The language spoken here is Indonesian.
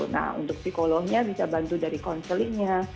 nah untuk psikolognya bisa bantu dari counselingnya